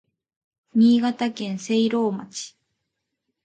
新潟県聖籠町